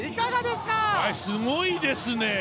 すごいですね。